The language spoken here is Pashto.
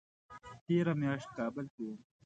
تېره میاشت کابل کې وم